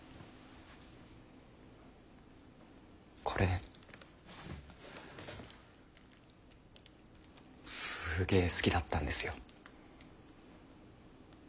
これすげえ好きだったんですよ。